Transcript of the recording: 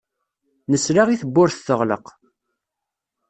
Nesla i tewwurt teɣleq.